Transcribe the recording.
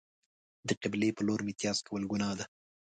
د قبلې په لور میتیاز کول گناه ده.